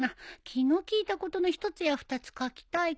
気の利いたことの一つや二つ書きたいけど。